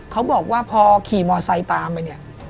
เขาบอกว่าพอขี่มอไซค์ตามไปเนี่ย